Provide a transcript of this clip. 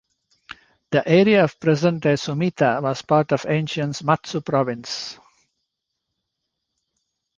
The area of present-day Sumita was part of ancient Mutsu Province.